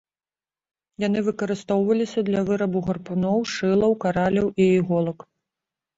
Яны выкарыстоўваліся для вырабу гарпуноў, шылаў, караляў і іголак.